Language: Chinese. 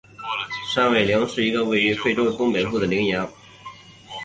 山苇羚是一种生活于非洲东北部的羚羊。